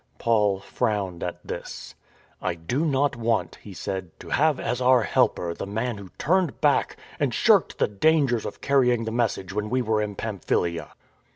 Paul frowned at this. " I do not want," he said, *' to have as our helper the man who turned back and shirked the dangers of carrying the message when we were in Pamphylia."